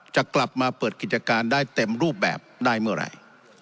จะกลับมาเปิดกิจการได้เต็มรูปแบบได้เมื่อไหร่